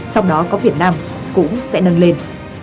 trong đó có việt nam cũng sẽ nâng lên